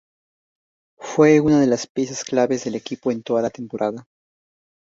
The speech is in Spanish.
Fue una de las piezas claves del equipo en toda la temporada.